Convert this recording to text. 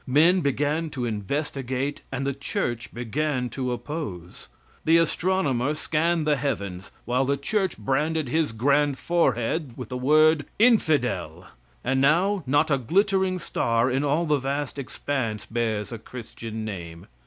Men began to investigate, and the church began to oppose. The astronomer scanned the heavens, while the church branded his grand forehead with the word, "Infidel"; and now, not a glittering star in all the vast expanse bears a Christian name.